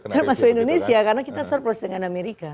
termasuk indonesia karena kita surplus dengan amerika